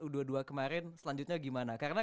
u dua puluh dua kemarin selanjutnya gimana karena